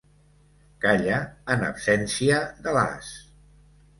Calla en absència de l'as.